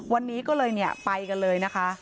วันนี้ก็เลยไปกันเลยนะคะ